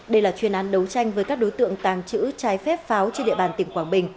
đây là chuyên án đấu tranh với các đối tượng tàng trữ trái phép pháo trên địa bàn tỉnh quảng bình